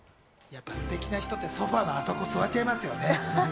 やっぱりステキな人ってソファーのあそこに座っちゃいますよね。